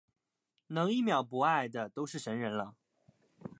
能一秒不爱的都是神人了